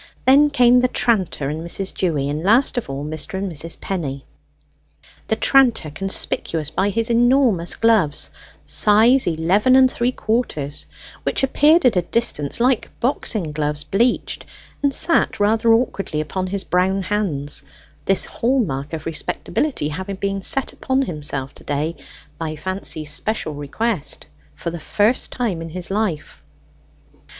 Then came the tranter and Mrs. Dewy, and last of all Mr. and Mrs. Penny; the tranter conspicuous by his enormous gloves, size eleven and three quarters, which appeared at a distance like boxing gloves bleached, and sat rather awkwardly upon his brown hands; this hall mark of respectability having been set upon himself to day (by Fancy's special request) for the first time in his life.